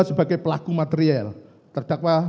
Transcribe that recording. sebagai pelaku materiel terdakwa